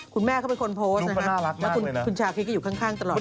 คุณแม่เขาก็เป็นคนโพสต์นะฮะคุณชาคริสก็อยู่ข้างตลอดนะครับทำไม่เป็น